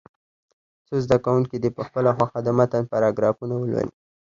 څو زده کوونکي دې په خپله خوښه د متن پاراګرافونه ولولي.